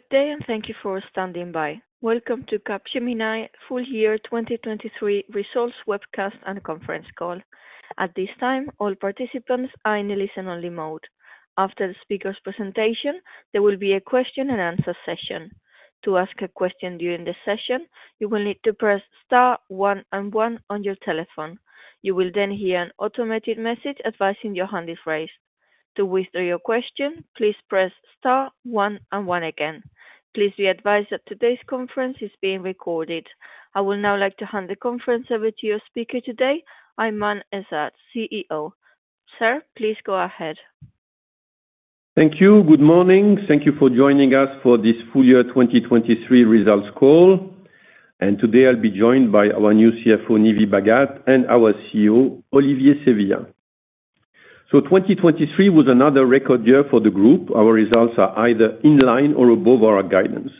Good day and thank you for standing by. Welcome to Capgemini full-year 2023 results webcast and conference call. At this time, all participants are in a listen-only mode. After the speaker's presentation, there will be a question-and-answer session. To ask a question during the session, you will need to press star one and one on your telephone. You will then hear an automated message advising your hand is raised. To withdraw your question, please press starone and one again. Please be advised that today's conference is being recorded. I will now like to hand the conference over to your speaker today, Aiman Ezzat, CEO. Sir, please go ahead. Thank you. Good morning. Thank you for joining us for this full-year 2023 results call. Today I'll be joined by our new CFO, Nive Bhagat, and our COO, Olivier Sevillia. 2023 was another record year for the group. Our results are either in line or above our guidance.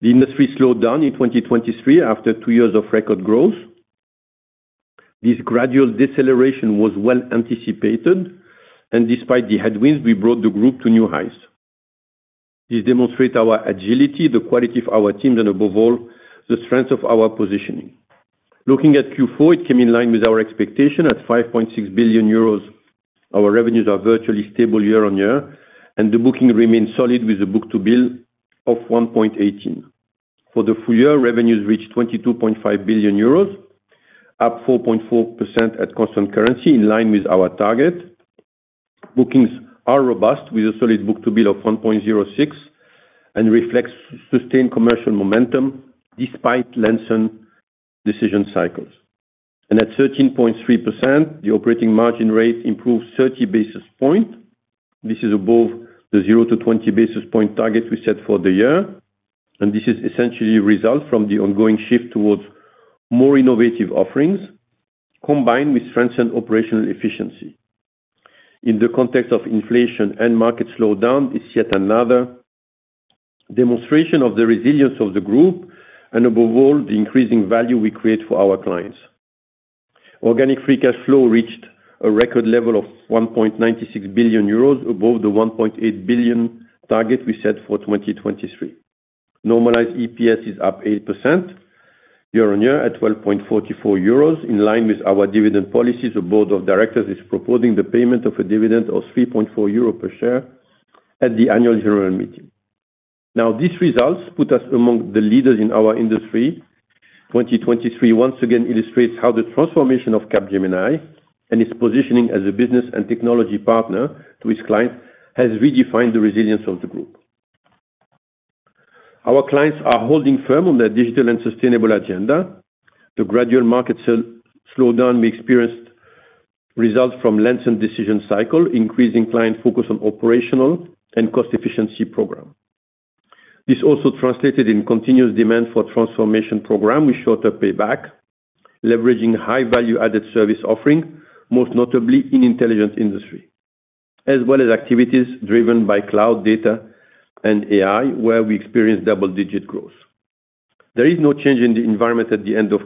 The industry slowed down in 2023 after two years of record growth. This gradual deceleration was well anticipated, and despite the headwinds, we brought the group to new highs. This demonstrates our agility, the quality of our teams, and above all, the strength of our positioning. Looking at Q4, it came in line with our expectation at 5.6 billion euros. Our revenues are virtually stable year-on-year, and the booking remains solid with a book-to-bill of 1.18. For the full year, revenues reached 22.5 billion euros, up 4.4% at constant currency, in line with our target. Bookings are robust, with a solid book-to-bill of 1.06, and reflect sustained commercial momentum despite lengthened decision cycles. At 13.3%, the operating margin rate improved 30 basis points. This is above the 0-20 basis point target we set for the year, and this is essentially a result from the ongoing shift towards more innovative offerings, combined with strengthened operational efficiency. In the context of inflation and market slowdown, it's yet another demonstration of the resilience of the group and, above all, the increasing value we create for our clients. Organic free cash flow reached a record level of 1.96 billion euros, above the 1.8 billion target we set for 2023. Normalized EPS is up 8% year-on-year at 12.44 euros, in line with our dividend policies. The board of directors is proposing the payment of a dividend of 3.4 euro per share at the annual general meeting. Now, these results put us among the leaders in our industry. 2023 once again illustrates how the transformation of Capgemini and its positioning as a business and technology partner to its clients has redefined the resilience of the group. Our clients are holding firm on their digital and sustainable agenda. The gradual market slowdown we experienced results from a lengthened decision cycle, increasing client focus on operational and cost efficiency programs. This also translated in continuous demand for transformation programs with shorter payback, leveraging high value-added service offerings, most notably in the Intelligent Industry, as well as activities driven by cloud data and AI, where we experienced double-digit growth. There is no change in the environment at the end of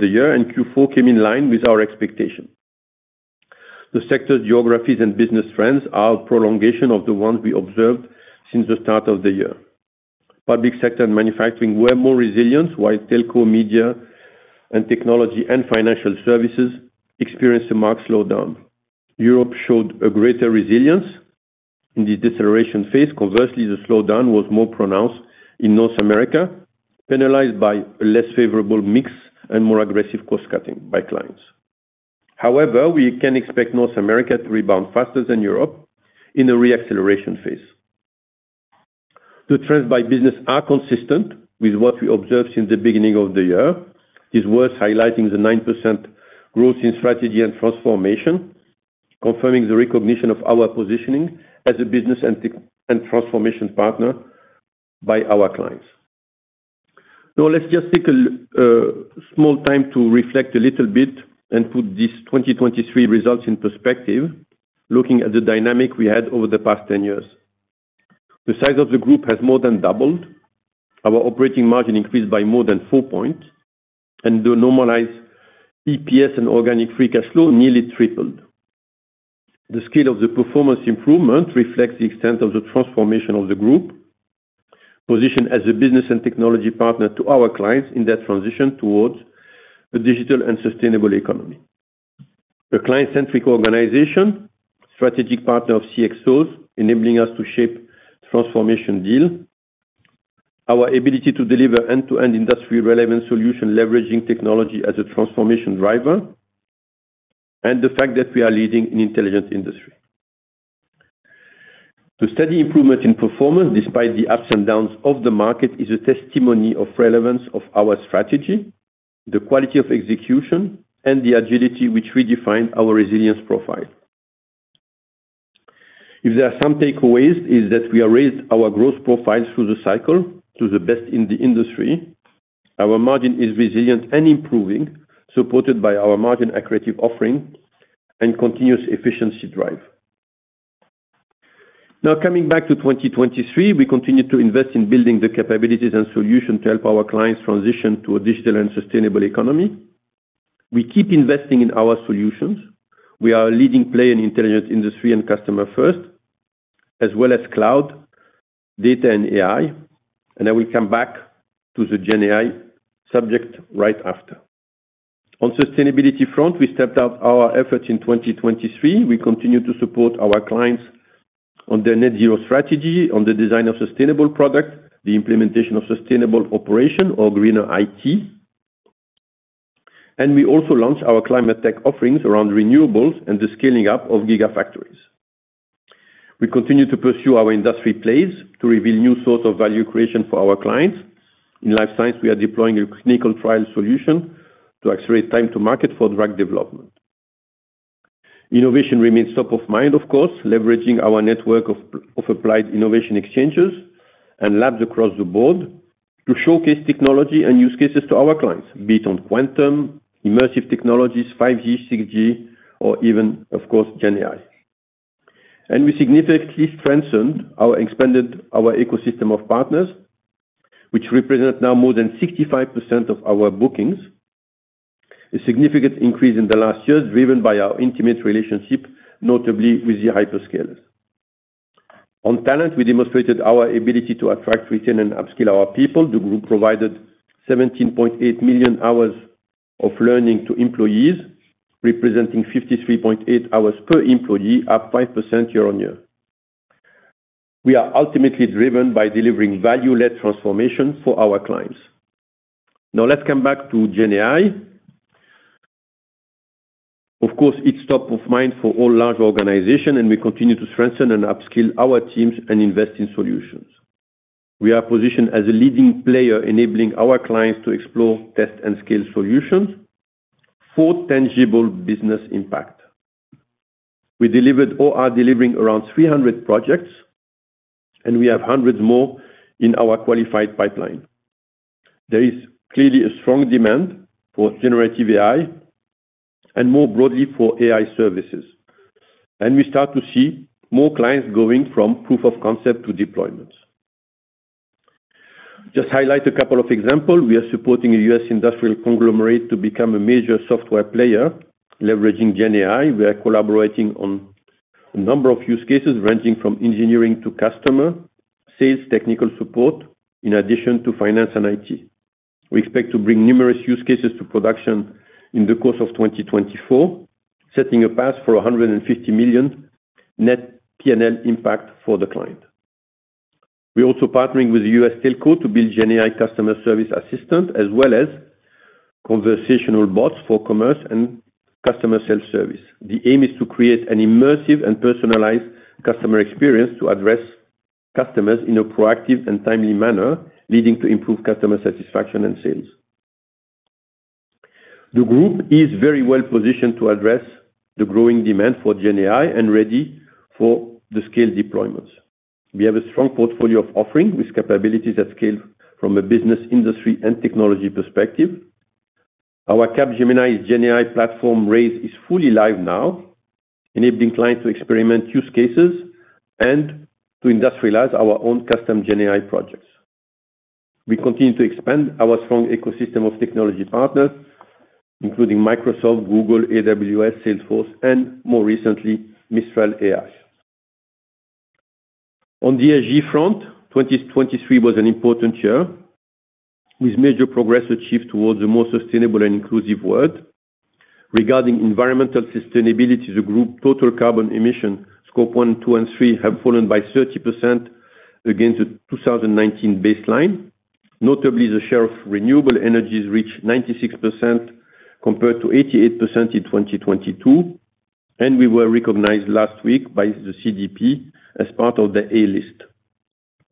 the year, and Q4 came in line with our expectations. The sectors, geographies, and business trends are a prolongation of the ones we observed since the start of the year. Public sector and manufacturing were more resilient, while telco, media, technology, and financial services experienced a marked slowdown. Europe showed greater resilience in this deceleration phase. Conversely, the slowdown was more pronounced in North America, penalized by a less favorable mix and more aggressive cost-cutting by clients. However, we can expect North America to rebound faster than Europe in a reacceleration phase. The trends by business are consistent with what we observed since the beginning of the year. This works highlighting the 9% growth in strategy and transformation, confirming the recognition of our positioning as a business and transformation partner by our clients. Now, let's just take a small time to reflect a little bit and put these 2023 results in perspective, looking at the dynamic we had over the past 10 years. The size of the group has more than doubled. Our operating margin increased by more than four points, and the normalized EPS and organic free cash flow nearly tripled. The scale of the performance improvement reflects the extent of the transformation of the group, positioned as a business and technology partner to our clients in that transition towards a digital and sustainable economy. A client-centric organization, strategic partner of CXOs, enabling us to shape transformation deals, our ability to deliver end-to-end industry-relevant solutions leveraging technology as a transformation driver, and the fact that we are leading in the Intelligent Industry. The steady improvement in performance, despite the ups and downs of the market, is a testimony of the relevance of our strategy, the quality of execution, and the agility which redefined our resilience profile. If there are some takeaways, it is that we have raised our growth profile through the cycle to the best in the industry. Our margin is resilient and improving, supported by our margin accuracy offering and continuous efficiency drive. Now, coming back to 2023, we continue to invest in building the capabilities and solutions to help our clients transition to a digital and sustainable economy. We keep investing in our solutions. We are a leading player in the Intelligent Industry and Customer First, as well as cloud data and AI, and I will come back to the GenAI subject right after. On the sustainability front, we stepped up our efforts in 2023. We continue to support our clients on their net-zero strategy, on the design of sustainable products, the implementation of sustainable operation, or greener IT, and we also launched our climate tech offerings around renewables and the scaling up of gigafactories. We continue to pursue our industry plays to reveal new sorts of value creation for our clients. In life science, we are deploying a clinical trial solution to accelerate time-to-market for drug development. Innovation remains top of mind, of course, leveraging our network of applied innovation exchanges and labs across the board to showcase technology and use cases to our clients, be it on quantum, immersive technologies, 5G, 6G, or even, of course, GenAI. We significantly strengthened our ecosystem of partners, which represent now more than 65% of our bookings, a significant increase in the last years driven by our intimate relationship, notably with the hyperscalers. On talent, we demonstrated our ability to attract, retain, and upskill our people. The group provided 17.8 million hours of learning to employees, representing 53.8 hours per employee, up 5% year-over-year. We are ultimately driven by delivering value-led transformation for our clients. Now, let's come back to GenAI. Of course, it's top of mind for all large organizations, and we continue to strengthen and upskill our teams and invest in solutions. We are positioned as a leading player, enabling our clients to explore, test, and scale solutions for tangible business impact. We are delivering around 300 projects, and we have hundreds more in our qualified pipeline. There is clearly a strong demand for generative AI and, more broadly, for AI services, and we start to see more clients going from proof of concept to deployment. Just to highlight a couple of examples, we are supporting a U.S. Industrial conglomerate to become a major software player, leveraging GenAI. We are collaborating on a number of use cases ranging from engineering to customer, sales, technical support, in addition to finance and IT. We expect to bring numerous use cases to production in the course of 2024, setting a path for 150 million net P&L impact for the client. We are also partnering with a U.S. telco to build GenAI customer service assistants, as well as conversational bots for commerce and customer self-service. The aim is to create an immersive and personalized customer experience to address customers in a proactive and timely manner, leading to improved customer satisfaction and sales. The group is very well positioned to address the growing demand for GenAI and ready for the scale deployments. We have a strong portfolio of offerings with capabilities that scale from a business, industry, and technology perspective. Our Capgemini GenAI platform RAISE is fully live now, enabling clients to experiment use cases and to industrialize our own custom GenAI projects. We continue to expand our strong ecosystem of technology partners, including Microsoft, Google, AWS, Salesforce, and, more recently, Mistral AI. On the ESG front, 2023 was an important year with major progress achieved towards a more sustainable and inclusive world. Regarding environmental sustainability, the group's total carbon emissions, Scope 1, 2, and 3, have fallen by 30% against the 2019 baseline. Notably, the share of renewable energies reached 96% compared to 88% in 2022, and we were recognized last week by the CDP as part of the A List.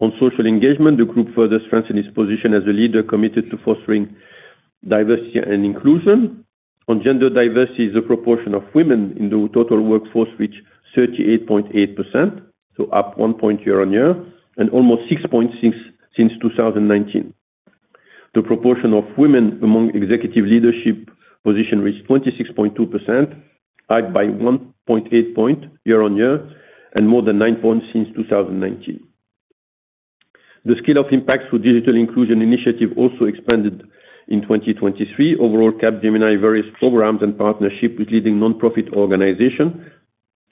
On social engagement, the group further strengthened its position as a leader committed to fostering diversity and inclusion. On gender diversity, the proportion of women in the total workforce reached 38.8%, up 1 point year-on-year and almost 6 points since 2019. The proportion of women among executive leadership positions reached 26.2%, up by 1.8 points year-on-year and more than 9 points since 2019. The scale of impact through digital inclusion initiatives also expanded in 2023. Overall, Capgemini's various programs and partnerships with leading nonprofit organizations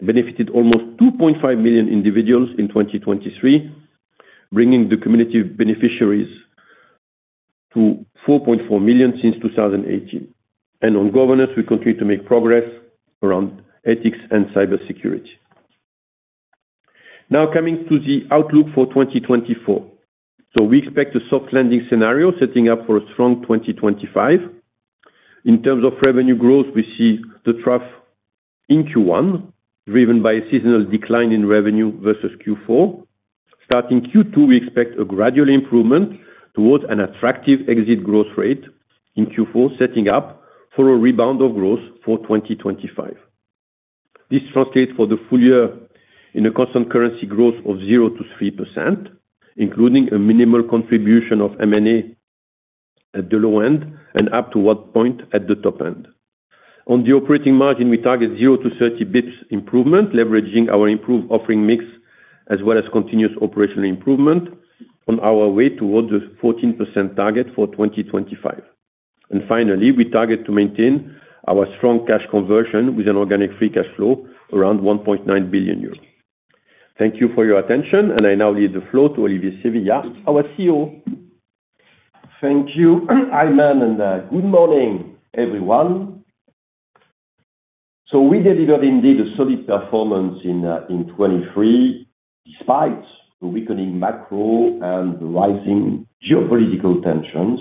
benefited almost 2.5 million individuals in 2023, bringing the community beneficiaries to 4.4 million since 2018. On governance, we continue to make progress around ethics and cybersecurity. Now, coming to the outlook for 2024. We expect a soft landing scenario setting up for a strong 2025. In terms of revenue growth, we see the trough in Q1, driven by a seasonal decline in revenue versus Q4. Starting Q2, we expect a gradual improvement towards an attractive exit growth rate in Q4, setting up for a rebound of growth for 2025. This translates for the full year in a constant currency growth of 0%-3%, including a minimal contribution of M&A at the low end and up to 1 point at the top end. On the operating margin, we target 0-30 basis points improvement, leveraging our improved offering mix as well as continuous operational improvement on our way towards the 14% target for 2025. And finally, we target to maintain our strong cash conversion with an organic free cash flow around 1.9 billion euros. Thank you for your attention, and I now lead the floor to Olivier Sevillia, our COO. Thank you, Aiman, and good morning, everyone. So we delivered, indeed, a solid performance in 2023 despite the weakening macro and the rising geopolitical tensions.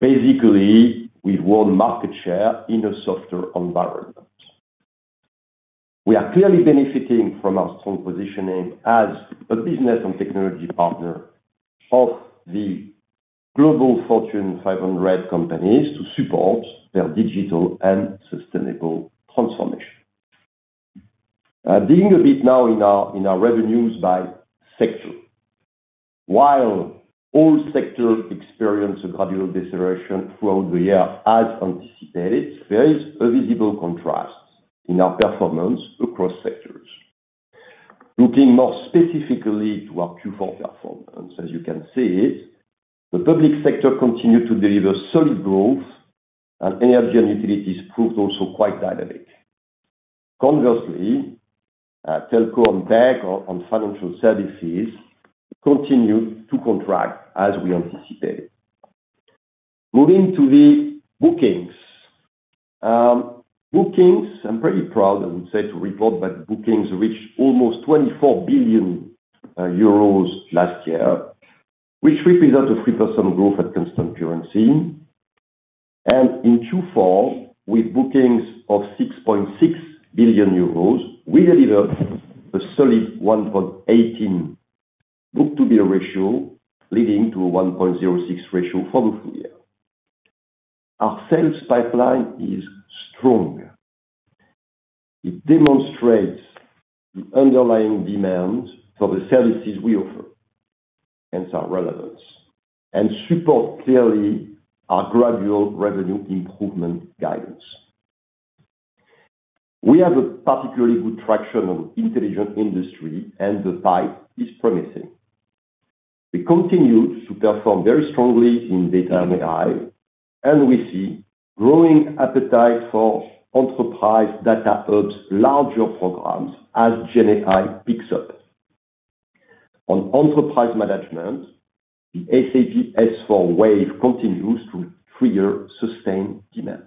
Basically, we've won market share in a softer environment. We are clearly benefiting from our strong positioning as a business and technology partner of the global Fortune 500 companies to support their digital and sustainable transformation. Digging a bit now in our revenues by sector. While all sectors experience a gradual deceleration throughout the year as anticipated, there is a visible contrast in our performance across sectors. Looking more specifically to our Q4 performance, as you can see, the public sector continued to deliver solid growth, and energy and utilities proved also quite dynamic. Conversely, telco and tech on financial services continued to contract as we anticipated. Moving to the bookings. Bookings, I'm pretty proud, I would say, to report that bookings reached almost 24 billion euros last year, which represents a 3% growth at constant currency. In Q4, with bookings of 6.6 billion euros, we delivered a solid 1.18 book-to-bill ratio, leading to a 1.06 ratio for the full year. Our sales pipeline is strong. It demonstrates the underlying demands for the services we offer and our relevance, and supports clearly our gradual revenue improvement guidance. We have a particularly good traction on the Intelligent Industry, and the pipe is promising. We continue to perform very strongly in data and AI, and we see growing appetite for enterprise data hubs, larger programs, as GenAI picks up. On enterprise management, the SAP S/4HANA continues to trigger sustained demand.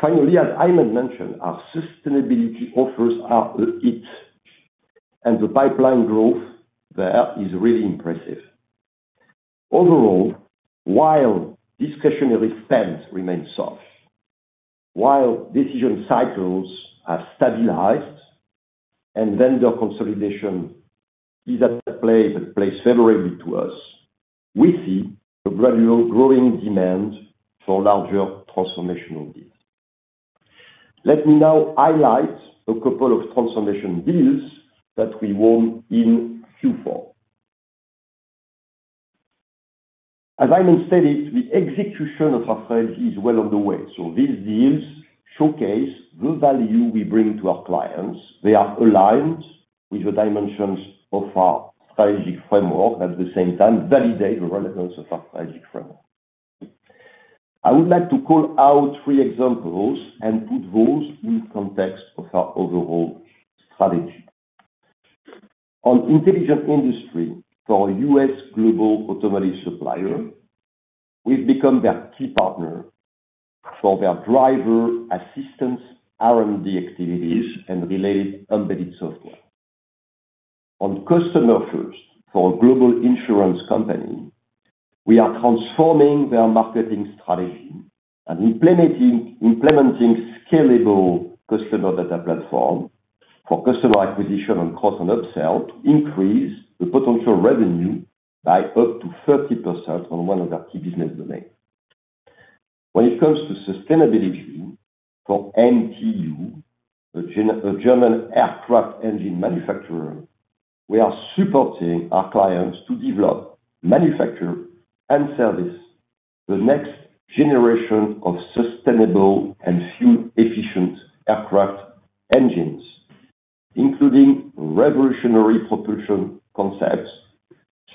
Finally, as Aiman mentioned, our sustainability offers are a hit, and the pipeline growth there is really impressive. Overall, while discretionary spend remains soft, while decision cycles have stabilized, and vendor consolidation is at play that plays favorably to us, we see a gradual growing demand for larger transformational deals. Let me now highlight a couple of transformation deals that we won in Q4. As Aiman stated, the execution of our strategy is well on the way. So these deals showcase the value we bring to our clients. They are aligned with the dimensions of our strategic framework and, at the same time, validate the relevance of our strategic framework. I would like to call out three examples and put those in context of our overall strategy. On the Intelligent Industry, for a U.S. global automotive supplier, we've become their key partner for their driver assistance R&D activities and related embedded software. On Customer First, for a global insurance company, we are transforming their marketing strategy and implementing scalable customer data platforms for customer acquisition and cross-and-upsell to increase the potential revenue by up to 30% on one of their key business domains. When it comes to sustainability, for MTU, a German aircraft engine manufacturer, we are supporting our clients to develop, manufacture, and service the next generation of sustainable and fuel-efficient aircraft engines, including revolutionary propulsion concepts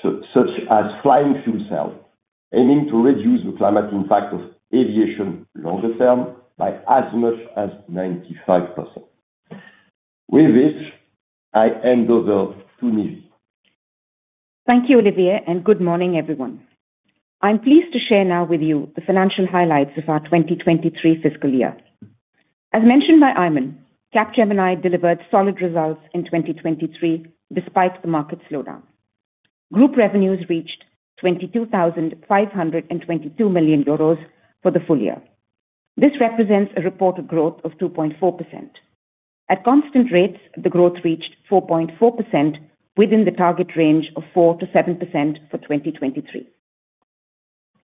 such as Flying Fuel Cell, aiming to reduce the climate impact of aviation longer term by as much as 95%. With this, I hand over to Nive. Thank you, Olivier, and good morning, everyone. I'm pleased to share now with you the financial highlights of our 2023 fiscal year. As mentioned by Aiman, Capgemini delivered solid results in 2023 despite the market slowdown. Group revenues reached 22.522 billion euros for the full year. This represents a reported growth of 2.4%. At constant rates, the growth reached 4.4% within the target range of 4%-7% for 2023.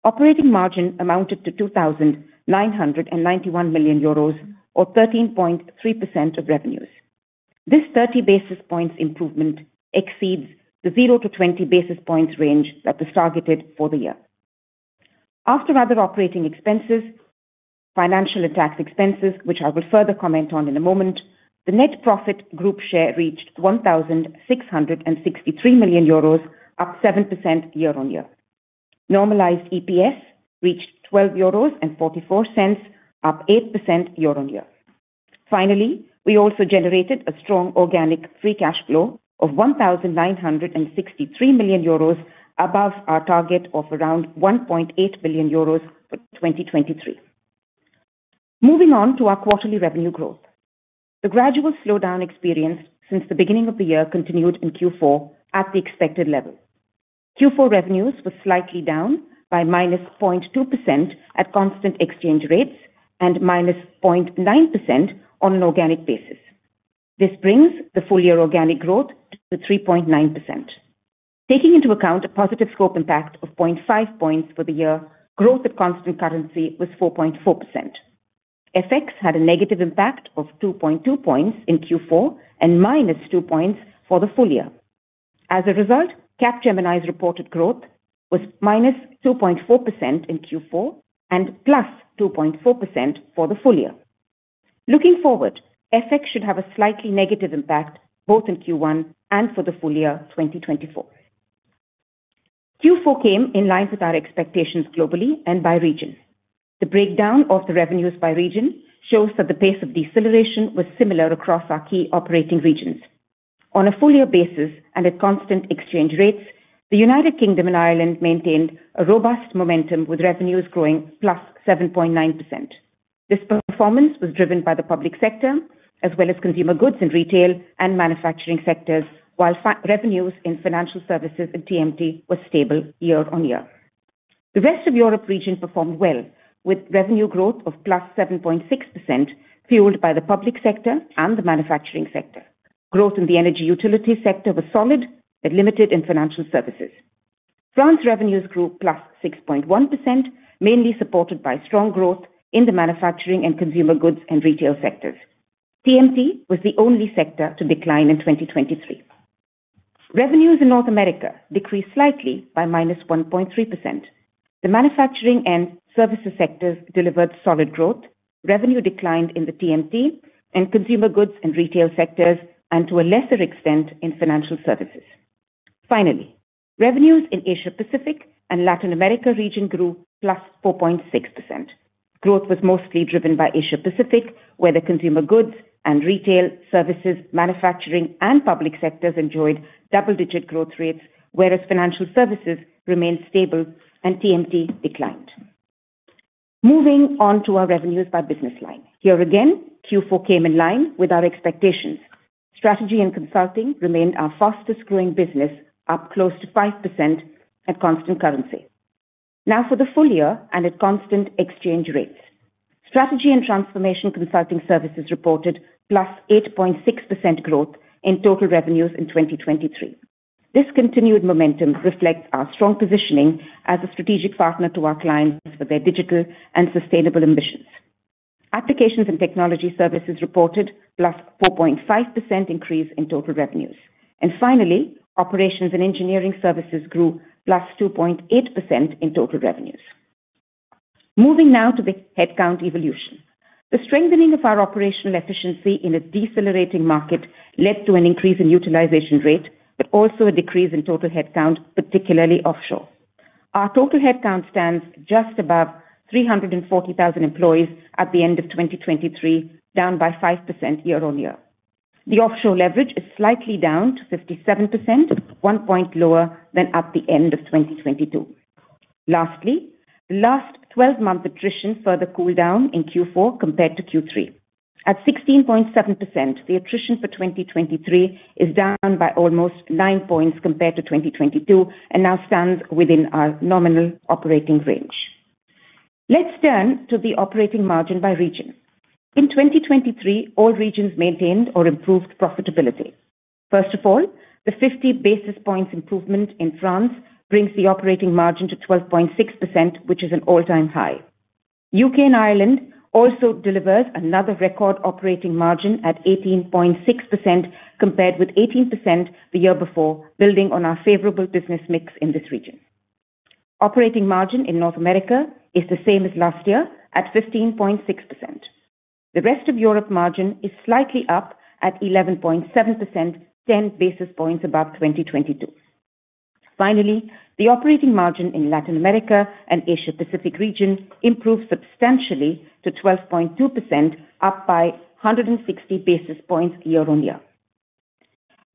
Operating margin amounted to 2.991 billion euros, or 13.3% of revenues. This 30 basis points improvement exceeds the 0-20 basis points range that was targeted for the year. After other operating expenses, financial and tax expenses, which I will further comment on in a moment, the net profit group share reached 1.663 billion euros, up 7% year-on-year. Normalized EPS reached 12.44 euros, up 8% year-on-year. Finally, we also generated a strong organic free cash flow of 1.963 billion euros, above our target of around 1.8 billion euros for 2023. Moving on to our quarterly revenue growth. The gradual slowdown experienced since the beginning of the year continued in Q4 at the expected level. Q4 revenues were slightly down by -0.2% at constant exchange rates and -0.9% on an organic basis. This brings the full-year organic growth to 3.9%. Taking into account a positive scope impact of 0.5 points for the year, growth at constant currency was 4.4%. FX had a negative impact of 2.2 points in Q4 and -2 points for the full year. As a result, Capgemini's reported growth was -2.4% in Q4 and +2.4% for the full year. Looking forward, FX should have a slightly negative impact both in Q1 and for the full-year 2024. Q4 came in line with our expectations globally and by region. The breakdown of the revenues by region shows that the pace of deceleration was similar across our key operating regions. On a full-year basis and at constant exchange rates, the United Kingdom and Ireland maintained a robust momentum with revenues growing +7.9%. This performance was driven by the public sector as well as consumer goods in retail and manufacturing sectors, while revenues in financial services and TMT were stable year-on-year. The rest of Europe region performed well, with revenue growth of +7.6% fueled by the public sector and the manufacturing sector. Growth in the energy utility sector was solid, but limited in financial services. France revenues grew +6.1%, mainly supported by strong growth in the manufacturing and consumer goods and retail sectors. TMT was the only sector to decline in 2023. Revenues in North America decreased slightly by -1.3%. The manufacturing and services sectors delivered solid growth. Revenue declined in the TMT and consumer goods and retail sectors, and to a lesser extent in financial services. Finally, revenues in Asia-Pacific and Latin America region grew +4.6%. Growth was mostly driven by Asia-Pacific, where the consumer goods and retail, services, manufacturing, and public sectors enjoyed double-digit growth rates, whereas financial services remained stable and TMT declined. Moving on to our revenues by business line. Here again, Q4 came in line with our expectations. Strategy and consulting remained our fastest-growing business, up close to 5% at constant currency. Now for the full year and at constant exchange rates. Strategy and transformation consulting services reported +8.6% growth in total revenues in 2023. This continued momentum reflects our strong positioning as a strategic partner to our clients for their digital and sustainable ambitions. Applications and technology services reported +4.5% increase in total revenues. And finally, operations and engineering services grew +2.8% in total revenues. Moving now to the headcount evolution. The strengthening of our operational efficiency in a decelerating market led to an increase in utilization rate, but also a decrease in total headcount, particularly offshore. Our total headcount stands just above 340,000 employees at the end of 2023, down by 5% year-on-year. The offshore leverage is slightly down to 57%, 1 point lower than at the end of 2022. Lastly, the last 12-month attrition further cooled down in Q4 compared to Q3. At 16.7%, the attrition for 2023 is down by almost 9 points compared to 2022 and now stands within our nominal operating range. Let's turn to the operating margin by region. In 2023, all regions maintained or improved profitability. First of all, the 50 basis points improvement in France brings the operating margin to 12.6%, which is an all-time high. U.K. and Ireland also delivers another record operating margin at 18.6% compared with 18% the year before, building on our favorable business mix in this region. Operating margin in North America is the same as last year at 15.6%. The rest of Europe margin is slightly up at 11.7%, 10 basis points above 2022. Finally, the operating margin in Latin America and Asia-Pacific region improved substantially to 12.2%, up by 160 basis points year-on-year.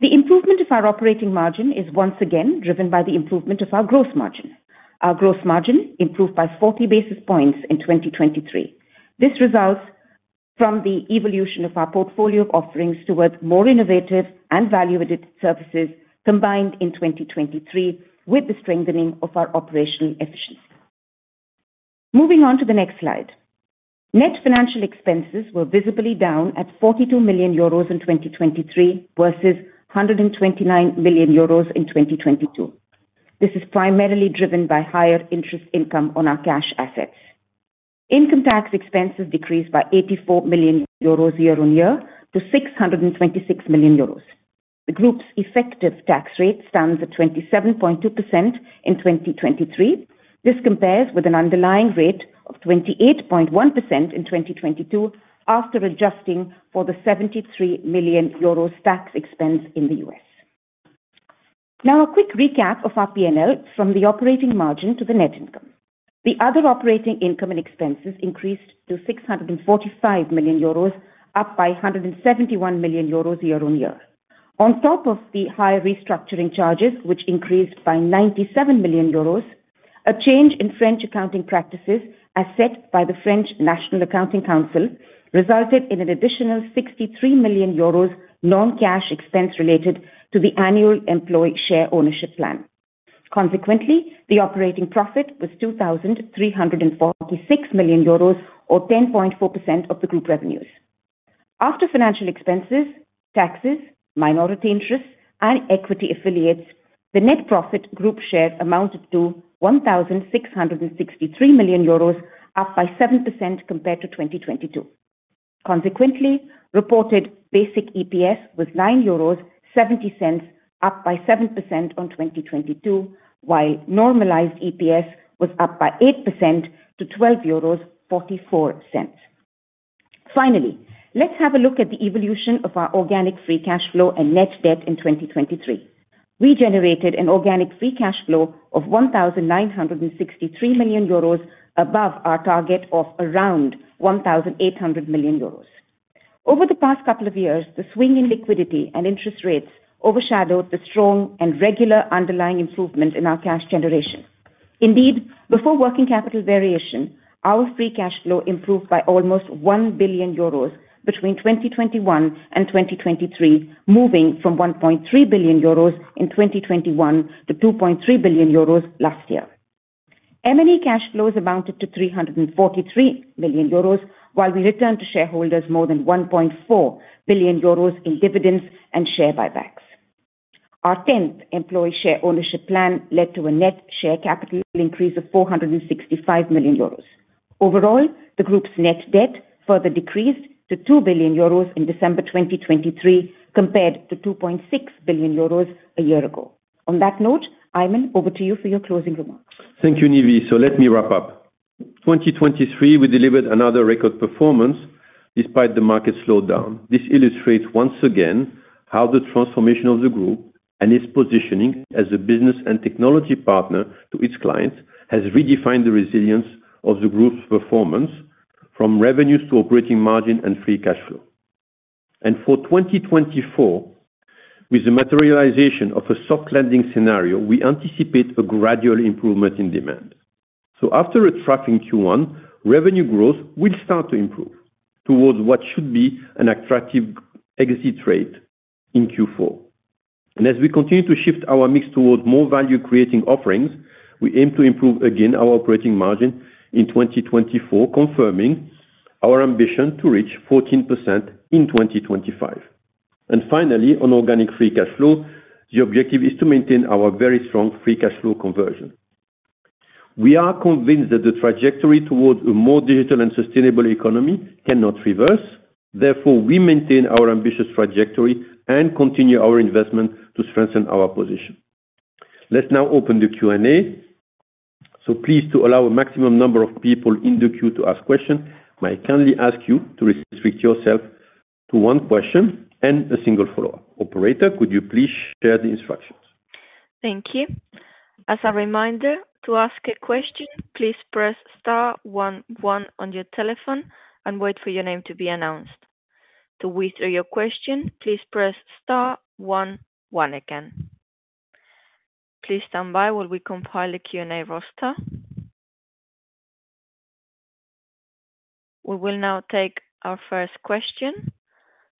The improvement of our operating margin is once again driven by the improvement of our gross margin. Our gross margin improved by 40 basis points in 2023. This results from the evolution of our portfolio offerings towards more innovative and value-added services combined in 2023 with the strengthening of our operational efficiency. Moving on to the next slide. Net financial expenses were visibly down at 42 million euros in 2023 versus 129 million euros in 2022. This is primarily driven by higher interest income on our cash assets. Income tax expenses decreased by 84 million euros year-over-year to 626 million euros. The group's effective tax rate stands at 27.2% in 2023. This compares with an underlying rate of 28.1% in 2022 after adjusting for the 73 million euro tax expense in the U.S. Now, a quick recap of our P&L from the operating margin to the net income. The other operating income and expenses increased to 645 million euros, up by 171 million euros year-over-year. On top of the higher restructuring charges, which increased by 97 million euros, a change in French accounting practices, as set by the French National Accounting Council, resulted in an additional 63 million euros non-cash expense related to the annual employee share ownership plan. Consequently, the operating profit was 2.346 billion euros, or 10.4% of the group revenues. After financial expenses, taxes, minority interests, and equity affiliates, the net profit group share amounted to 1.663 billion euros, up by 7% compared to 2022. Consequently, reported basic EPS was 9.70 euros, up by 7% on 2022, while normalized EPS was up by 8% to 12.44 euros. Finally, let's have a look at the evolution of our organic free cash flow and net debt in 2023. We generated an organic free cash flow of 1.963 billion euros above our target of around 1.800 billion euros. Over the past couple of years, the swing in liquidity and interest rates overshadowed the strong and regular underlying improvement in our cash generation. Indeed, before working capital variation, our free cash flow improved by almost 1 billion euros between 2021 and 2023, moving from 1.3 billion euros in 2021 to 2.3 billion euros last year. M&A cash flows amounted to 343 million euros, while we returned to shareholders more than 1.4 billion euros in dividends and share buybacks. Our 10th employee share ownership plan led to a net share capital increase of 465 million euros. Overall, the group's net debt further decreased to 2 billion euros in December 2023 compared to 2.6 billion euros a year ago. On that note, Aiman, over to you for your closing remarks. Thank you, Nive. So let me wrap up. 2023, we delivered another record performance despite the market slowdown. This illustrates once again how the transformation of the group and its positioning as a business and technology partner to its clients has redefined the resilience of the group's performance, from revenues to operating margin and free cash flow. And for 2024, with the materialization of a soft-landing scenario, we anticipate a gradual improvement in demand. So after a flat Q1, revenue growth will start to improve towards what should be an attractive exit rate in Q4. And as we continue to shift our mix towards more value-creating offerings, we aim to improve again our operating margin in 2024, confirming our ambition to reach 14% in 2025. And finally, on organic free cash flow, the objective is to maintain our very strong free cash flow conversion. We are convinced that the trajectory towards a more digital and sustainable economy cannot reverse. Therefore, we maintain our ambitious trajectory and continue our investment to strengthen our position. Let's now open the Q&A. So please, to allow a maximum number of people in the queue to ask questions, may I kindly ask you to restrict yourself to one question and a single follow-up. Operator, could you please share the instructions? Thank you. As a reminder, to ask a question, please press star one one on your telephone and wait for your name to be announced. To whisper your question, please press star one one again. Please stand by while we compile the Q&A roster. We will now take our first question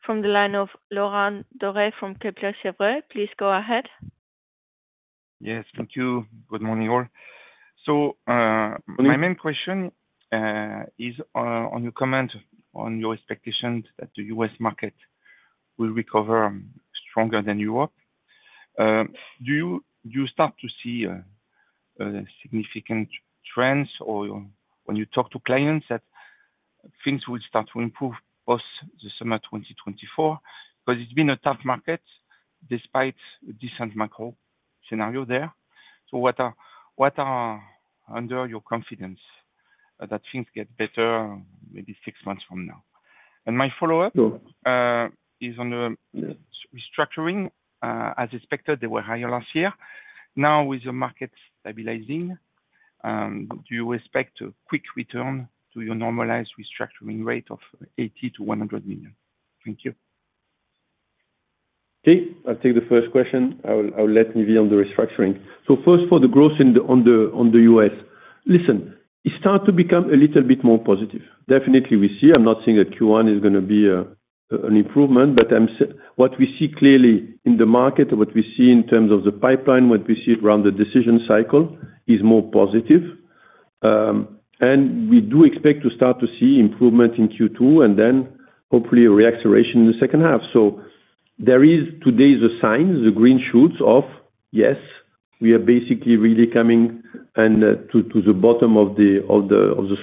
from the line of Laurent Daure from Kepler Cheuvreux. Please go ahead. Yes. Thank you. Good morning, all. So my main question is on your comment on your expectations that the U.S. market will recover stronger than Europe. Do you start to see significant trends when you talk to clients that things will start to improve post the summer 2024? Because it's been a tough market despite a decent macro scenario there. So what underpins your confidence that things get better maybe six months from now? And my follow-up is on the restructuring. As expected, they were higher last year. Now, with the market stabilizing, do you expect a quick return to your normalized restructuring rate of 80 million-100 million? Thank you. Okay. I'll take the first question. I'll let Nive on the restructuring. So first, for the growth on the U.S., listen, it started to become a little bit more positive. Definitely, we see I'm not saying that Q1 is going to be an improvement, but what we see clearly in the market, what we see in terms of the pipeline, what we see around the decision cycle is more positive. And we do expect to start to see improvement in Q2 and then, hopefully, a reacceleration in the second half. So today's the signs, the green shoots of, yes, we are basically really coming to the bottom of the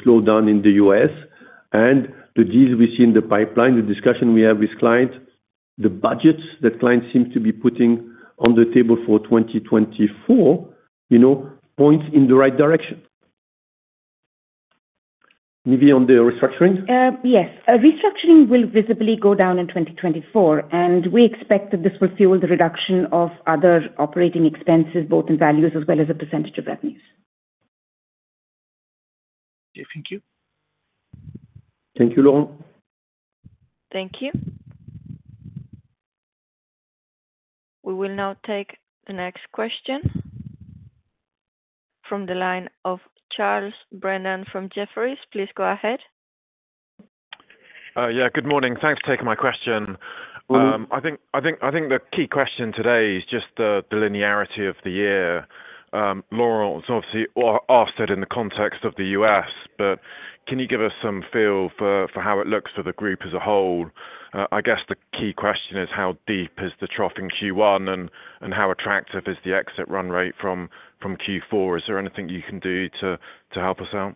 slowdown in the U.S. And the deals we see in the pipeline, the discussion we have with clients, the budgets that clients seem to be putting on the table for 2024 points in the right direction. Nive, on the restructuring? Yes. Restructuring will visibly go down in 2024, and we expect that this will fuel the reduction of other operating expenses, both in values as well as a percentage of revenues. Okay. Thank you. Thank you, Laurent. Thank you. We will now take the next question from the line of Charles Brennan from Jefferies. Please go ahead. Yeah. Good morning. Thanks for taking my question. I think the key question today is just the linearity of the year. Laurent has obviously asked it in the context of the U.S., but can you give us some feel for how it looks for the group as a whole? I guess the key question is how deep is the trough in Q1 and how attractive is the exit run rate from Q4? Is there anything you can do to help us out?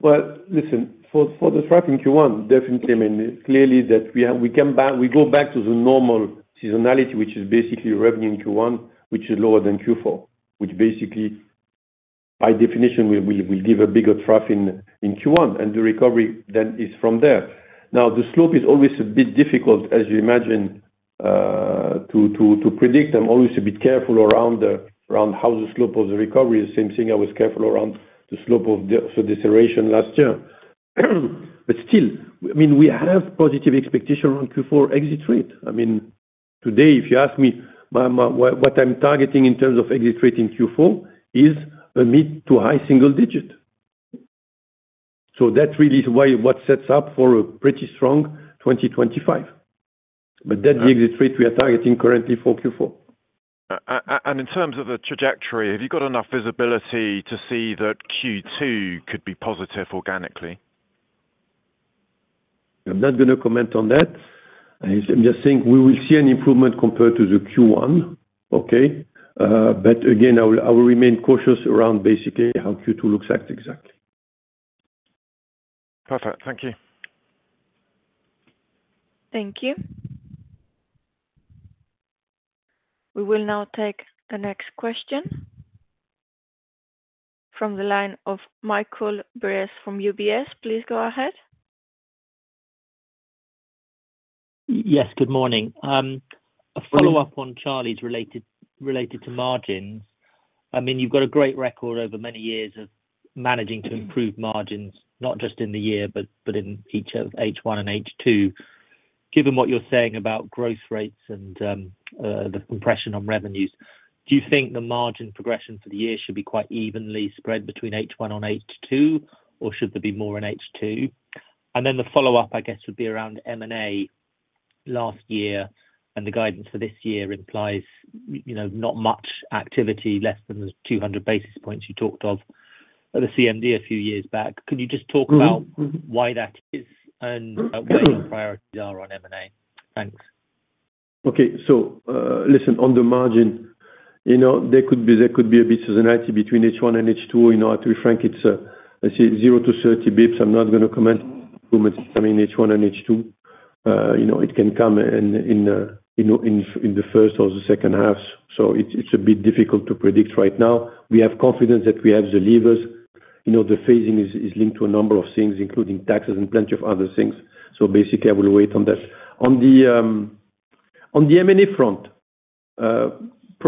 Well, listen, for the trough in Q1, definitely, I mean, clearly that we go back to the normal seasonality, which is basically revenue in Q1, which is lower than Q4, which basically, by definition, will give a bigger trough in Q1. And the recovery then is from there. Now, the slope is always a bit difficult, as you imagine, to predict. I'm always a bit careful around how the slope of the recovery. Same thing, I was careful around the slope of the deceleration last year. But still, I mean, we have positive expectation around Q4 exit rate. I mean, today, if you ask me what I'm targeting in terms of exit rate in Q4 is a mid- to high-single-digit. So that really is what sets up for a pretty strong 2025. But that's the exit rate we are targeting currently for Q4. In terms of the trajectory, have you got enough visibility to see that Q2 could be positive organically? I'm not going to comment on that. I just think we will see an improvement compared to the Q1, okay? But again, I will remain cautious around basically how Q2 looks like exactly. Perfect. Thank you. Thank you. We will now take the next question from the line of Michael Briest from UBS. Please go ahead. Yes. Good morning. A follow-up on Charlie's related to margins. I mean, you've got a great record over many years of managing to improve margins, not just in the year but in each of H1 and H2. Given what you're saying about growth rates and the compression on revenues, do you think the margin progression for the year should be quite evenly spread between H1 and H2, or should there be more in H2? And then the follow-up, I guess, would be around M&A last year. And the guidance for this year implies not much activity, less than the 200 basis points you talked of at the CMD a few years back. Can you just talk about why that is and what your priorities are on M&A? Thanks. Okay. So listen, on the margin, there could be a bit of seasonality between H1 and H2. To be frank, it's 0-30 basis points. I'm not going to comment on the improvements. I mean, H1 and H2, it can come in the first or the second halves. So it's a bit difficult to predict right now. We have confidence that we have the levers. The phasing is linked to a number of things, including taxes and plenty of other things. So basically, I will wait on that. On the M&A front,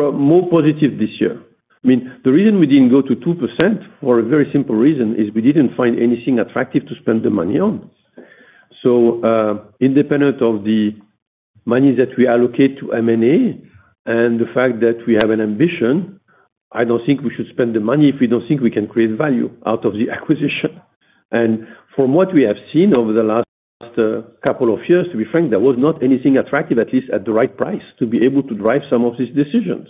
more positive this year. I mean, the reason we didn't go to 2% for a very simple reason is we didn't find anything attractive to spend the money on. So independent of the money that we allocate to M&A and the fact that we have an ambition, I don't think we should spend the money if we don't think we can create value out of the acquisition. And from what we have seen over the last couple of years, to be frank, there was not anything attractive, at least at the right price, to be able to drive some of these decisions.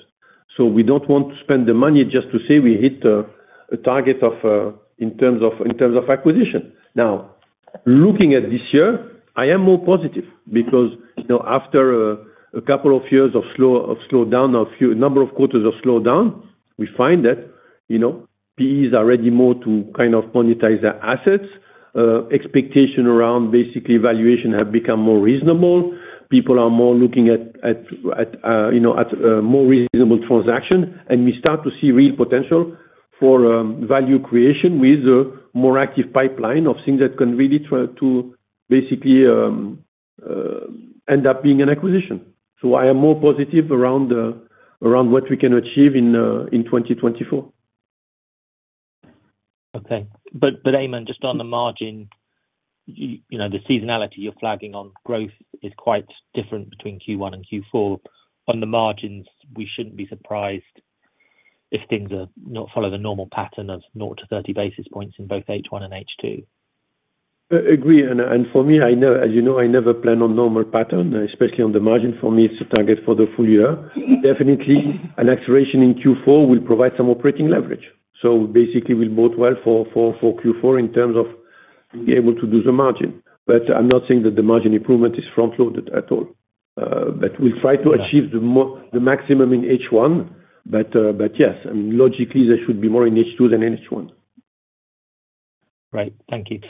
So we don't want to spend the money just to say we hit a target in terms of acquisition. Now, looking at this year, I am more positive because after a couple of years of slowdown, a number of quarters of slowdown, we find that PEs are ready more to kind of monetize their assets. Expectation around basically valuation have become more reasonable. People are more looking at more reasonable transactions. We start to see real potential for value creation with a more active pipeline of things that can really basically end up being an acquisition. So I am more positive around what we can achieve in 2024. Okay. But Aiman, just on the margin, the seasonality you're flagging on growth is quite different between Q1 and Q4. On the margins, we shouldn't be surprised if things follow the normal pattern of 0-30 basis points in both H1 and H2. I agree. For me, as you know, I never plan on normal pattern, especially on the margin. For me, it's a target for the full year. Definitely, an acceleration in Q4 will provide some operating leverage. So basically, we'll book well for Q4 in terms of being able to do the margin. But I'm not saying that the margin improvement is front-loaded at all. But we'll try to achieve the maximum in H1. But yes, I mean, logically, there should be more in H2 than in H1. Right. Thank you.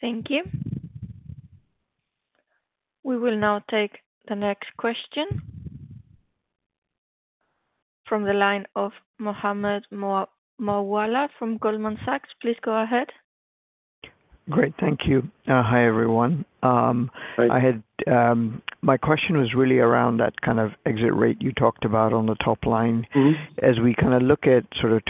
Thank you. We will now take the next question from the line of Mohammed Moawalla from Goldman Sachs. Please go ahead. Great. Thank you. Hi, everyone. My question was really around that kind of exit rate you talked about on the top line. As we kind of look at sort of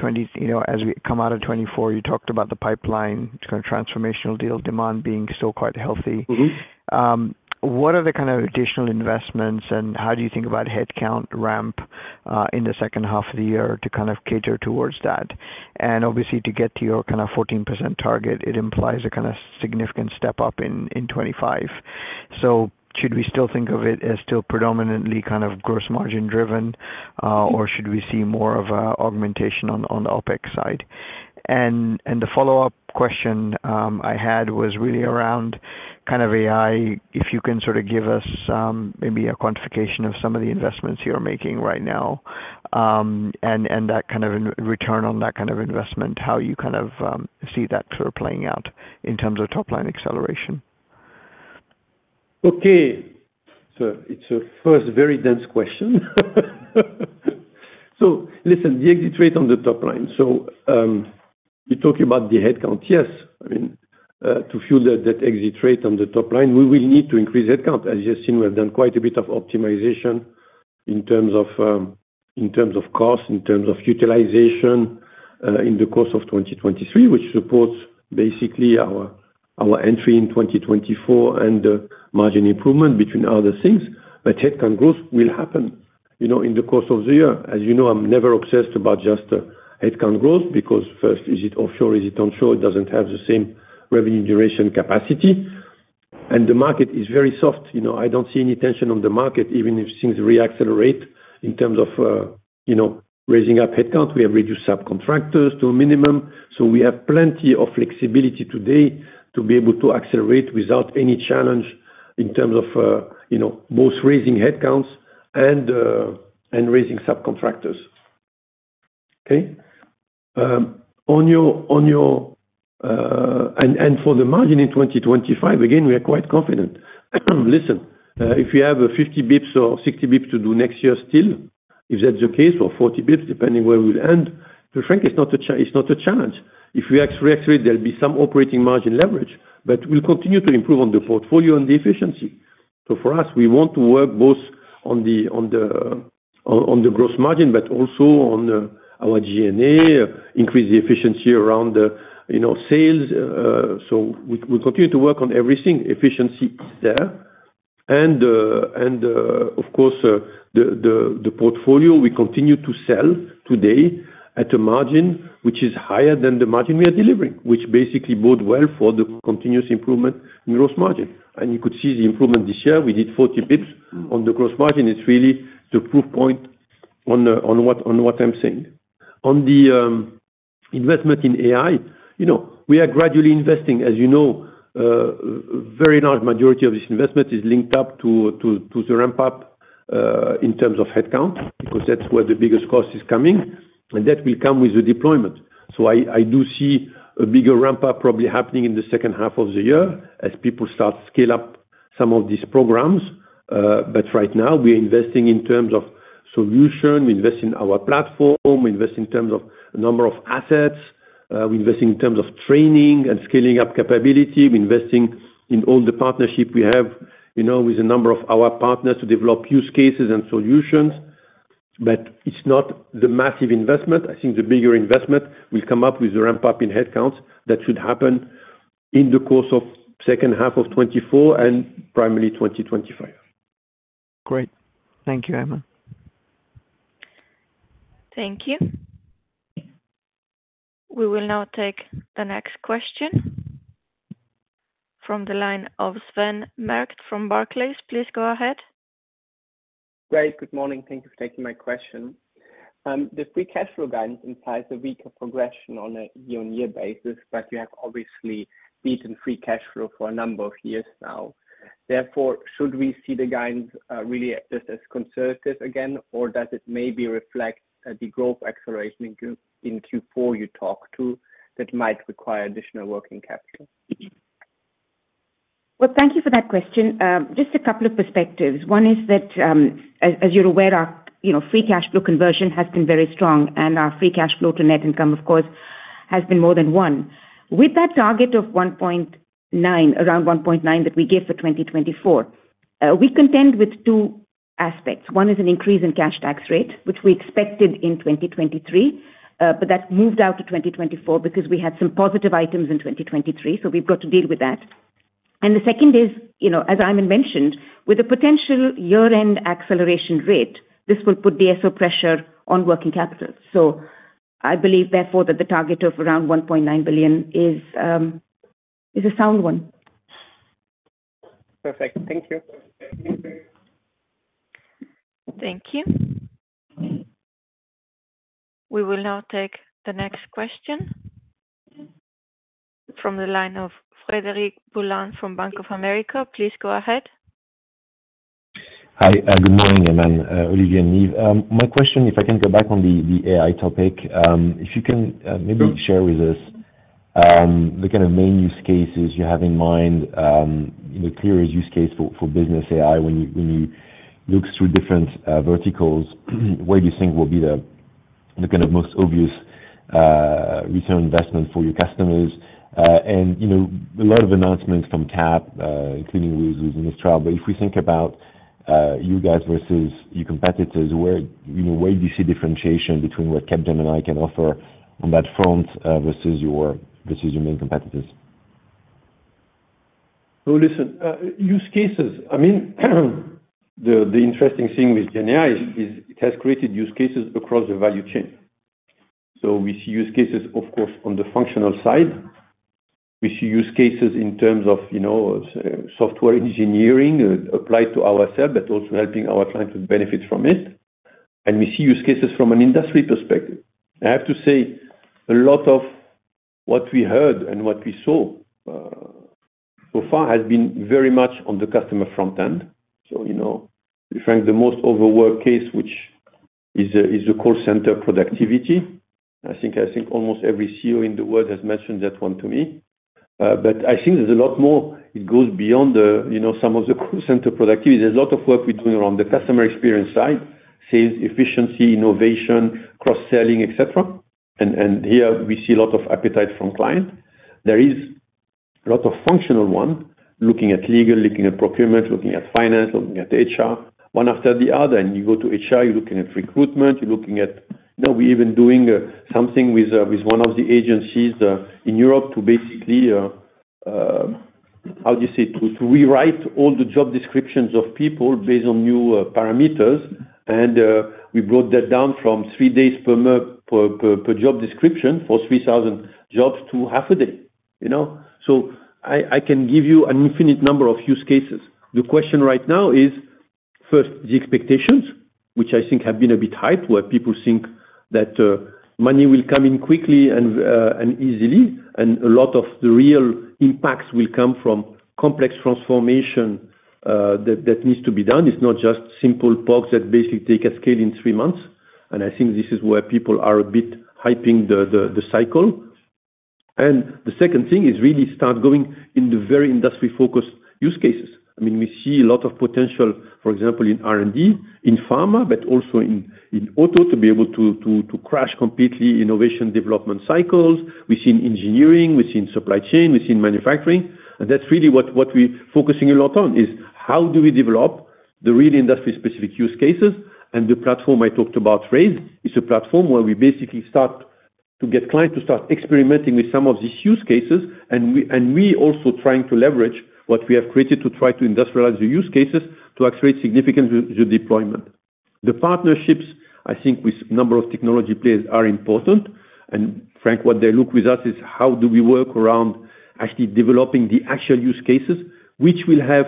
as we come out of 2024, you talked about the pipeline, kind of transformational deal, demand being still quite healthy. What are the kind of additional investments, and how do you think about headcount ramp in the second half of the year to kind of cater towards that? And obviously, to get to your kind of 14% target, it implies a kind of significant step up in 2025. So should we still think of it as still predominantly kind of gross margin-driven, or should we see more of an augmentation on the OpEx side? The follow-up question I had was really around kind of AI, if you can sort of give us maybe a quantification of some of the investments you're making right now and that kind of return on that kind of investment, how you kind of see that playing out in terms of top-line acceleration. Okay. So it's a first very dense question. So listen, the exit rate on the top line. So you talk about the headcount. Yes. I mean, to fuel that exit rate on the top line, we will need to increase headcount. As you have seen, we have done quite a bit of optimization in terms of cost, in terms of utilization in the course of 2023, which supports basically our entry in 2024 and the margin improvement, between other things. But headcount growth will happen in the course of the year. As you know, I'm never obsessed about just headcount growth because first, is it offshore? Is it onshore? It doesn't have the same revenue generation capacity. And the market is very soft. I don't see any tension on the market, even if things reaccelerate in terms of raising up headcount. We have reduced subcontractors to a minimum. So we have plenty of flexibility today to be able to accelerate without any challenge in terms of both raising headcounts and raising subcontractors. Okay? And for the margin in 2025, again, we are quite confident. Listen, if we have 50 basis points or 60 basis points to do next year still, if that's the case, or 40 basis points, depending where we'll end, to be frank, it's not a challenge. If we reaccelerate, there'll be some operating margin leverage. But we'll continue to improve on the portfolio and the efficiency. So for us, we want to work both on the gross margin but also on our G&A, increase the efficiency around sales. So we'll continue to work on everything. Efficiency is there. Of course, the portfolio, we continue to sell today at a margin which is higher than the margin we are delivering, which basically bodes well for the continuous improvement in gross margin. You could see the improvement this year. We did 40 basis points on the gross margin. It's really the proof point on what I'm saying. On the investment in AI, we are gradually investing. As you know, a very large majority of this investment is linked up to the ramp-up in terms of headcount because that's where the biggest cost is coming. And that will come with the deployment. So I do see a bigger ramp-up probably happening in the second half of the year as people start to scale up some of these programs. But right now, we are investing in terms of solution. We invest in our platform. We invest in terms of a number of assets. We invest in terms of training and scaling up capability. We're investing in all the partnership we have with a number of our partners to develop use cases and solutions. But it's not the massive investment. I think the bigger investment will come up with the ramp-up in headcounts that should happen in the course of second half of 2024 and primarily 2025. Great. Thank you, Aiman. Thank you. We will now take the next question from the line of Sven Merkt from Barclays. Please go ahead. Great. Good morning. Thank you for taking my question. The free cash flow guidance implies a weaker progression on a year-on-year basis, but you have obviously beaten free cash flow for a number of years now. Therefore, should we see the guidance really just as conservative again, or does it maybe reflect the growth acceleration in Q4 you talked to that might require additional working capital? Well, thank you for that question. Just a couple of perspectives. One is that, as you're aware, our free cash flow conversion has been very strong, and our free cash flow to net income, of course, has been more than one. With that target of 1.9, around 1.9 that we gave for 2024, we contend with two aspects. One is an increase in cash tax rate, which we expected in 2023, but that moved out to 2024 because we had some positive items in 2023. So we've got to deal with that. And the second is, as Aiman mentioned, with a potential year-end acceleration rate, this will put DSO pressure on working capital. So I believe, therefore, that the target of around 1.9 billion is a sound one. Perfect. Thank you. Thank you. We will now take the next question from the line of Frederic Boulan from Bank of America. Please go ahead. Hi. Good morning, Aiman, Olivier, and Nive. My question, if I can go back on the AI topic, if you can maybe share with us the kind of main use cases you have in mind, the clearest use case for business AI when you look through different verticals, where do you think will be the kind of most obvious return on investment for your customers? And a lot of announcements from Cap, including with Mistral. But if we think about you guys versus your competitors, where do you see differentiation between what Capgemini can offer on that front versus your main competitors? Well, listen, use cases. I mean, the interesting thing with GenAI is it has created use cases across the value chain. So we see use cases, of course, on the functional side. We see use cases in terms of software engineering applied to ourselves but also helping our clients with benefits from it. And we see use cases from an industry perspective. I have to say, a lot of what we heard and what we saw so far has been very much on the customer front end. So to be frank, the most overworked case, which is the call center productivity, I think almost every CEO in the world has mentioned that one to me. But I think there's a lot more. It goes beyond some of the call center productivity. There's a lot of work we're doing around the customer experience side, sales, efficiency, innovation, cross-selling, etc. Here, we see a lot of appetite from clients. There is a lot of functional ones, looking at legal, looking at procurement, looking at finance, looking at HR, one after the other. You go to HR, you're looking at recruitment. You're looking at now, we're even doing something with one of the agencies in Europe to basically, how do you say, to rewrite all the job descriptions of people based on new parameters. We brought that down from three days per job description for 3,000 jobs to half a day. I can give you an infinite number of use cases. The question right now is, first, the expectations, which I think have been a bit high, where people think that money will come in quickly and easily, and a lot of the real impacts will come from complex transformation that needs to be done. It's not just simple POCs that basically take a scale in three months. And I think this is where people are a bit hyping the cycle. And the second thing is really start going in the very industry-focused use cases. I mean, we see a lot of potential, for example, in R&D, in pharma, but also in auto to be able to crash completely innovation-development cycles. We've seen engineering. We've seen supply chain. We've seen manufacturing. And that's really what we're focusing a lot on, is how do we develop the really industry-specific use cases? And the platform I talked about, RAISE, is a platform where we basically start to get clients to start experimenting with some of these use cases, and we also trying to leverage what we have created to try to industrialize the use cases to accelerate significantly the deployment. The partnerships, I think, with a number of technology players are important. Frankly, what they look with us is how do we work around actually developing the actual use cases, which will have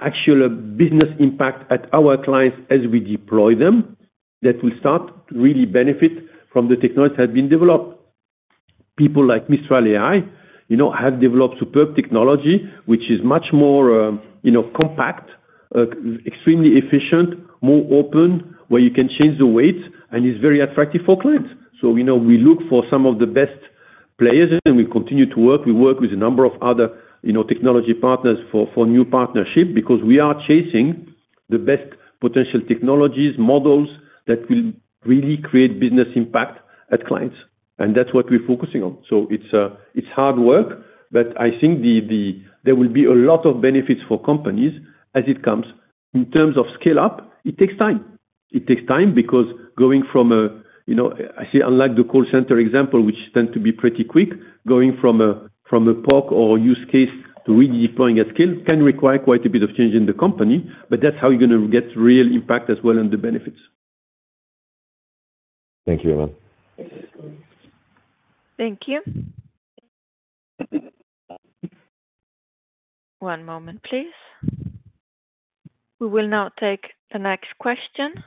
actual business impact at our clients as we deploy them that will start to really benefit from the technology that has been developed. People like Mistral AI have developed superb technology, which is much more compact, extremely efficient, more open, where you can change the weights, and is very attractive for clients. So we look for some of the best players, and we continue to work. We work with a number of other technology partners for new partnership because we are chasing the best potential technologies, models that will really create business impact at clients. And that's what we're focusing on. So it's hard work, but I think there will be a lot of benefits for companies as it comes. In terms of scale-up, it takes time. It takes time because going from a I say, unlike the call center example, which tend to be pretty quick, going from a POC or use case to really deploying at scale can require quite a bit of change in the company. But that's how you're going to get real impact as well on the benefits. Thank you, Aiman. Thank you. One moment, please. We will now take the next question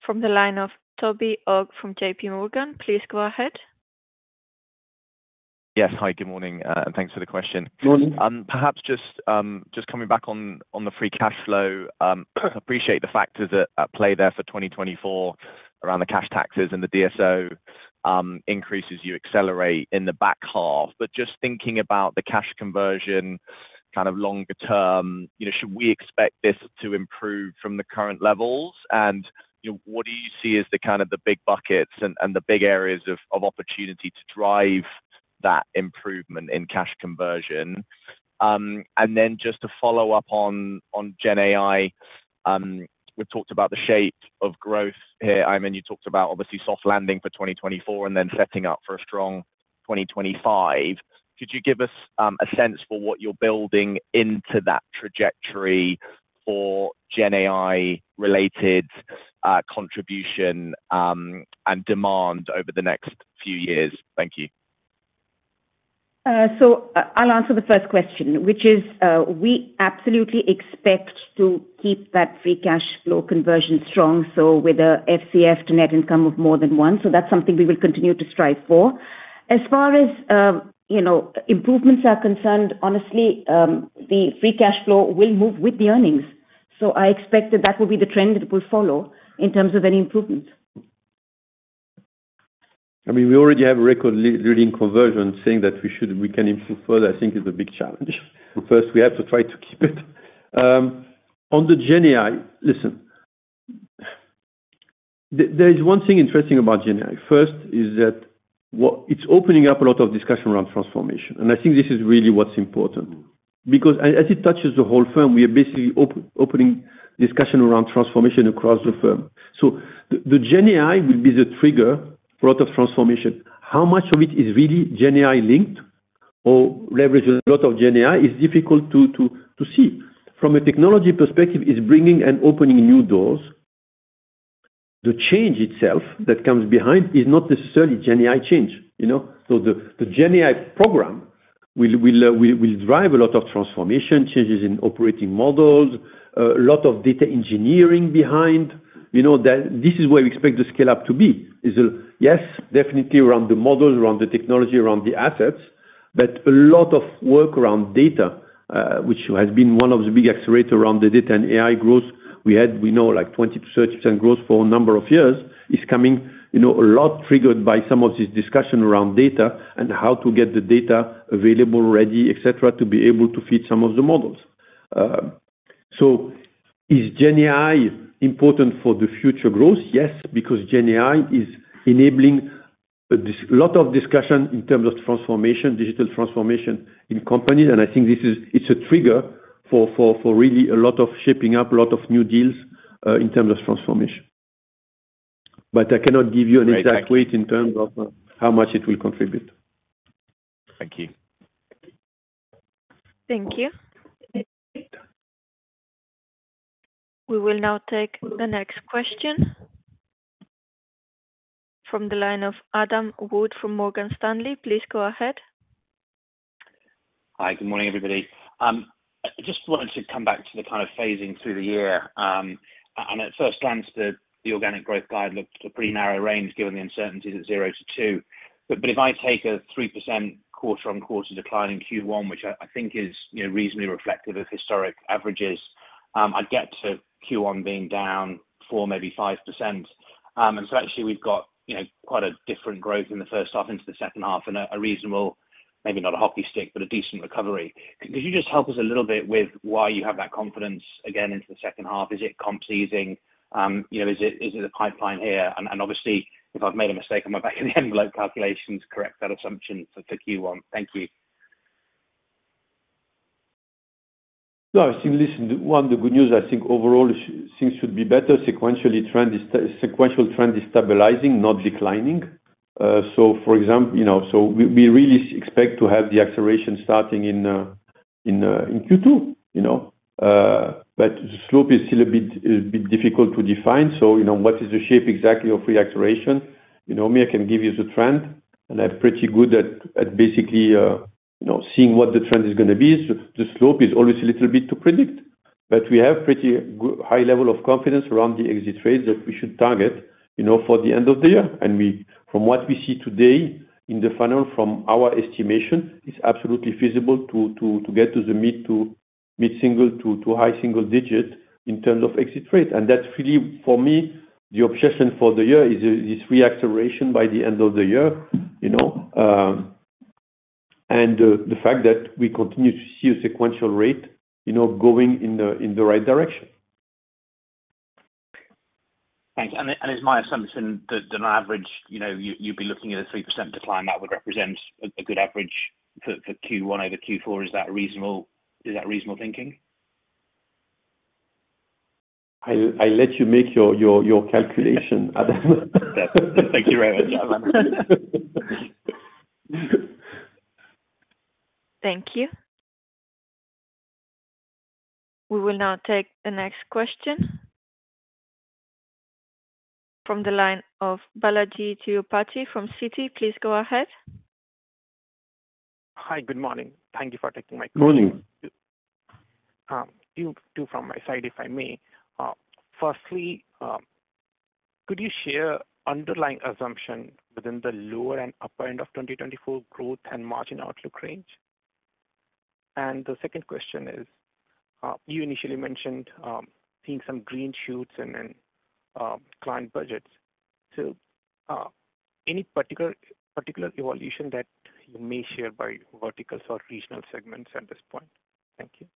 from the line of Toby Ogg from JPMorgan. Please go ahead. Yes. Hi. Good morning. And thanks for the question. Perhaps just coming back on the free cash flow, I appreciate the factors at play there for 2024 around the cash taxes and the DSO increases you accelerate in the back half. But just thinking about the cash conversion, kind of longer term, should we expect this to improve from the current levels? And what do you see as kind of the big buckets and the big areas of opportunity to drive that improvement in cash conversion? And then just to follow up on GenAI, we've talked about the shape of growth here, Aiman. You talked about, obviously, soft landing for 2024 and then setting up for a strong 2025. Could you give us a sense for what you're building into that trajectory for GenAI-related contribution and demand over the next few years? Thank you. So I'll answer the first question, which is we absolutely expect to keep that free cash flow conversion strong. So with a FCF to net income of more than one. So that's something we will continue to strive for. As far as improvements are concerned, honestly, the free cash flow will move with the earnings. So I expect that that will be the trend it will follow in terms of any improvements. I mean, we already have a record leading conversion. Saying that we can improve further, I think, is a big challenge. First, we have to try to keep it. On the GenAI, listen, there is one thing interesting about GenAI. First is that it's opening up a lot of discussion around transformation. And I think this is really what's important because as it touches the whole firm, we are basically opening discussion around transformation across the firm. So the GenAI will be the trigger for a lot of transformation. How much of it is really GenAI-linked or leveraging a lot of GenAI is difficult to see. From a technology perspective, it's bringing and opening new doors. The change itself that comes behind is not necessarily GenAI change. So the GenAI program will drive a lot of transformation, changes in operating models, a lot of data engineering behind. This is where we expect the scale-up to be, is a yes, definitely around the models, around the technology, around the assets. But a lot of work around data, which has been one of the big accelerators around the data and AI growth we had, we know like 20%-30% growth for a number of years, is coming a lot triggered by some of this discussion around data and how to get the data available, ready, etc., to be able to feed some of the models. So is GenAI important for the future growth? Yes, because GenAI is enabling a lot of discussion in terms of transformation, digital transformation in companies. And I think it's a trigger for really a lot of shaping up, a lot of new deals in terms of transformation. But I cannot give you an exact weight in terms of how much it will contribute. Thank you. Thank you. We will now take the next question from the line of Adam Wood from Morgan Stanley. Please go ahead. Hi. Good morning, everybody. Just wanted to come back to the kind of phasing through the year. At first glance, the organic growth guide looked a pretty narrow range given the uncertainties at 0%-2%. But if I take a 3% quarter-on-quarter decline in Q1, which I think is reasonably reflective of historic averages, I'd get to Q1 being down 4%, maybe 5%. And so actually, we've got quite a different growth in the first half into the second half and a reasonable maybe not a hockey stick, but a decent recovery. Could you just help us a little bit with why you have that confidence again into the second half? Is it comps easing? Is it a pipeline here? And obviously, if I've made a mistake on my back of the envelope calculations, correct that assumption for Q1. Thank you. No. I think, listen, one, the good news, I think overall, things should be better. Sequential trend is stabilizing, not declining. So for example, so we really expect to have the acceleration starting in Q2. But the slope is still a bit difficult to define. So what is the shape exactly of reacceleration? Maybe I can give you the trend. And I'm pretty good at basically seeing what the trend is going to be. The slope is always a little bit to predict. But we have pretty high level of confidence around the exit rates that we should target for the end of the year. And from what we see today in the funnel, from our estimation, it's absolutely feasible to get to the mid-single to high-single digit in terms of exit rate. That's really, for me, the obsession for the year is this reacceleration by the end of the year and the fact that we continue to see a sequential rate going in the right direction. Thanks. Is my assumption that on average, you'd be looking at a 3% decline that would represent a good average for Q1 over Q4? Is that reasonable thinking? I let you make your calculation, Adam. Thank you very much, Aiman. Thank you. We will now take the next question from the line of Balajee Tirupati from Citi. Please go ahead. Hi. Good morning. Thank you for taking my call. Good morning. Two from my side, if I may. Firstly, could you share underlying assumption within the lower and upper end of 2024 growth and margin outlook range? And the second question is, you initially mentioned seeing some green shoots and client budgets. So any particular evolution that you may share by verticals or regional segments at this point? Thank you.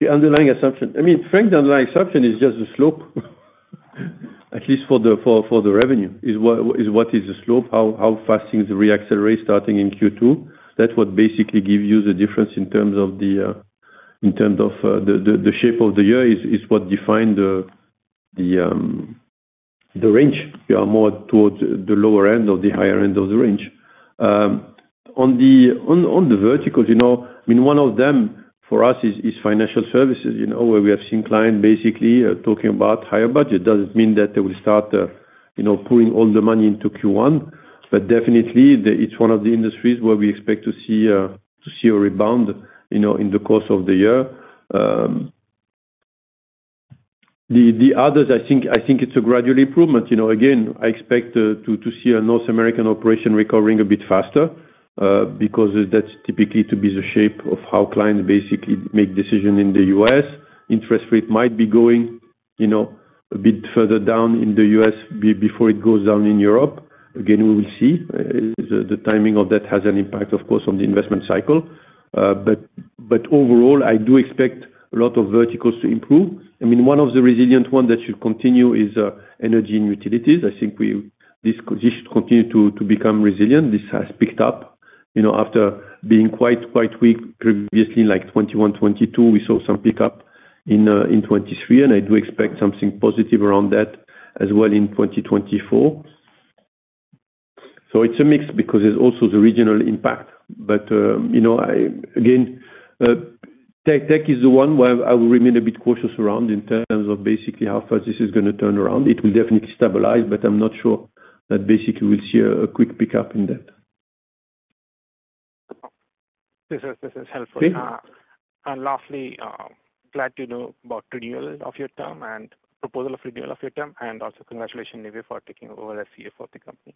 The underlying assumption—I mean, frankly, the underlying assumption is just the slope, at least for the revenue, is what is the slope, how fast things reaccelerate starting in Q2. That's what basically gives you the difference in terms of the—in terms of the shape of the year is what defines the range. We are more towards the lower end or the higher end of the range. On the verticals, I mean, one of them for us is financial services, where we have seen clients basically talking about higher budget. Doesn't mean that they will start pulling all the money into Q1. But definitely, it's one of the industries where we expect to see a rebound in the course of the year. The others, I think it's a gradual improvement. Again, I expect to see a North American operation recovering a bit faster because that's typically to be the shape of how clients basically make decisions in the U.S. Interest rate might be going a bit further down in the U.S. before it goes down in Europe. Again, we will see. The timing of that has an impact, of course, on the investment cycle. But overall, I do expect a lot of verticals to improve. I mean, one of the resilient ones that should continue is energy and utilities. I think this should continue to become resilient. This has picked up after being quite weak previously in 2021, 2022. We saw some pickup in 2023. And I do expect something positive around that as well in 2024. So it's a mix because there's also the regional impact. But again, tech is the one where I will remain a bit cautious around in terms of basically how fast this is going to turn around. It will definitely stabilize, but I'm not sure that basically we'll see a quick pick up in that. This is helpful. Lastly, glad to know about renewal of your term and proposal of renewal of your term. Also congratulations, Nive, for taking over as CFO of the company.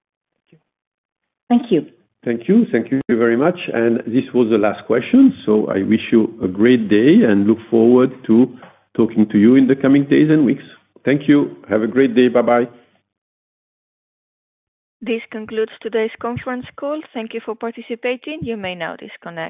Thank you. Thank you. Thank you. Thank you very much. This was the last question. I wish you a great day and look forward to talking to you in the coming days and weeks. Thank you. Have a great day. Bye-bye. This concludes today's conference call. Thank you for participating. You may now disconnect.